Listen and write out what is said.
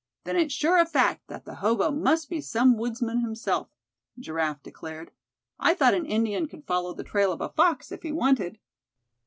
"Then it's sure a fact that the hobo must be some woodsman himself," Giraffe declared. "I thought an Indian could follow the trail of a fox, if he wanted."